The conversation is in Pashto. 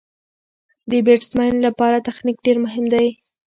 د بېټسمېن له پاره تخنیک ډېر مهم دئ.